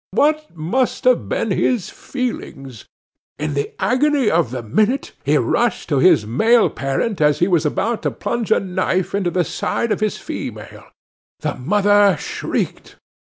What must have been his feelings! In the agony of the minute he rushed at his male parent as he was about to plunge a knife into the side of his female. The mother shrieked.